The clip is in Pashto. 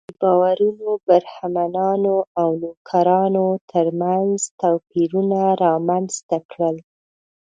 دې باورونو برهمنانو او نوکرانو تر منځ توپیرونه رامنځته کړل.